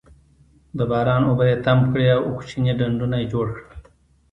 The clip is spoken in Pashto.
د باران اوبه یې تم کړې او کوچني ډنډونه یې جوړ کړل.